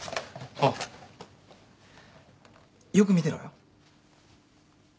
おうよく見てろよ。